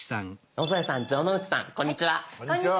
野添さん城之内さんこんにちは。